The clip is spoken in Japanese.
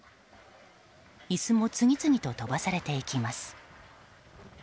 椅子も次々と飛ばされていきます。